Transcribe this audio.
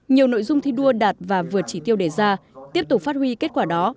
nhiều nội dung thi đua đạt và vượt chỉ tiêu đề ra tiếp tục phát huy kết quả đó